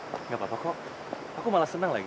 pak gak apa apa kok aku malah senang lagi